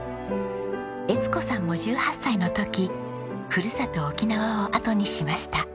江津子さんも１８歳の時ふるさと沖縄を後にしました。